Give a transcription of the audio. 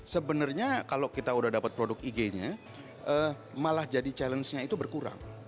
sebenarnya kalau kita udah dapat produk ig nya malah jadi challenge nya itu berkurang